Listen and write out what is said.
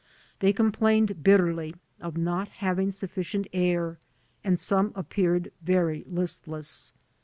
They complained bit terly of not having sufficient air and some appeared very listless.